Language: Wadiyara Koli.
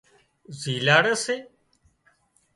زيلاڙي سي